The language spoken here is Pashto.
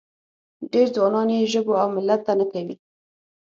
ډېر ځوانان یې ژبو او ملت ته نه کوي.